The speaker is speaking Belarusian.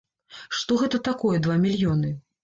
Што гэта такое два мільёны?